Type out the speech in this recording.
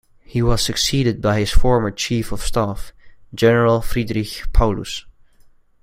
He was succeeded by his former chief of staff, General Friedrich Paulus.